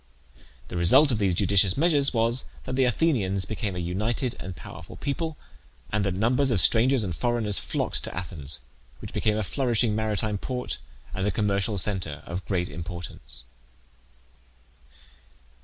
The result of these judicious measures was, that the Athenians became a united and powerful people, and that numbers of strangers and foreigners flocked to Athens, which became a flourishing maritime port and a commercial centre of great importance.